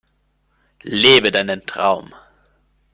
Lebe deinen Traum!